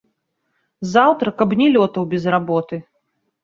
Заўтра каб не лётаў без работы!